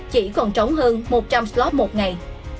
chỉ còn trống hơn một trăm linh slot một ngày